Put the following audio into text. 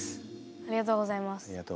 ありがとうございます。